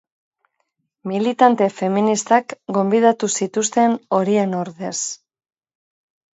Militante feministak gonbidatu zituzten, horien ordez.